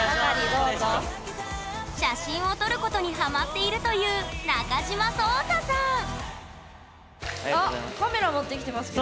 写真を撮ることにハマっているというあっカメラ持ってきてますけど。